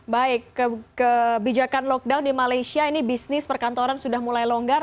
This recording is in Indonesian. baik kebijakan lockdown di malaysia ini bisnis perkantoran sudah mulai longgar